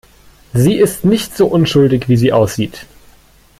Sie ist nicht so unschuldig, wie sie aussieht.